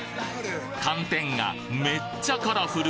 寒天がめっちゃカラフル！